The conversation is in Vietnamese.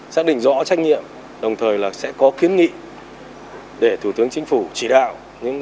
xác định rõ trách nhiệm đồng thời là sẽ có kiến nghị để thủ tướng chính phủ chỉ đạo